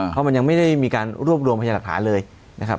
เพราะมันยังไม่ได้มีการรวบรวมพยาหลักฐานเลยนะครับ